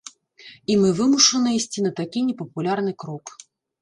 І мы вымушаныя ісці на такі непапулярны крок.